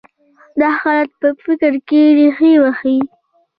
دا حالت په فکر کې رېښه وهي.